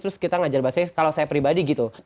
terus kita ngajar bahasa kalau saya pribadi gitu